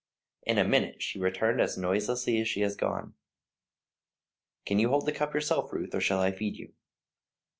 In a minute she returned as noiselessly as she had gone. "Can you hold the cup yourself, Ruth, or shall I feed you?"